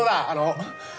あの。